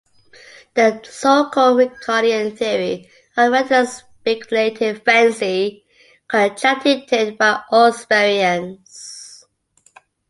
The so-called Ricardian theory of rent is a speculative fancy, contradicted by all experience.